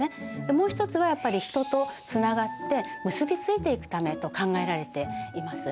もう一つはやっぱり人とつながって結びついていくためと考えられています。